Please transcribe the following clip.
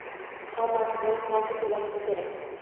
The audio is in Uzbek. Hammasi bo’lib qancha to'lashim kerak?